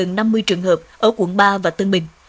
gần năm mươi trường hợp ở quận ba và tân bình